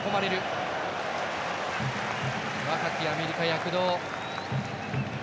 若きアメリカ、躍動。